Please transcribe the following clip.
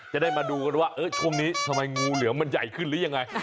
จะได้มาดูกันว่าช่วงนี้ทำไมงูเหลือมมันใหญ่ขึ้นหรือยังไง